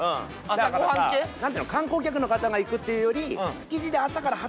観光客の方が行くっていうより。